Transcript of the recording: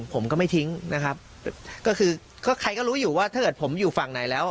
ผมก็ไม่ทิ้งนะครับก็คือก็ใครก็รู้อยู่ว่าถ้าเกิดผมอยู่ฝั่งไหนแล้ว